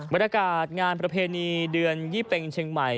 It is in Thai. บรรยากาศงานประเพณีเดือนยี่เป็งเชียงใหม่